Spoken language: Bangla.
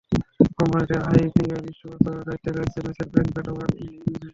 কোম্পানিটির আইপিওর ইস্যু ব্যবস্থাপনার দায়িত্বে রয়েছে merchant bank Beta One investments.